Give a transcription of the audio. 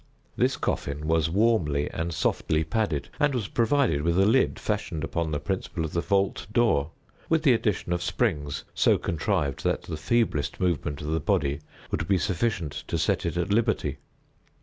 This coffin was warmly and softly padded, and was provided with a lid, fashioned upon the principle of the vault door, with the addition of springs so contrived that the feeblest movement of the body would be sufficient to set it at liberty.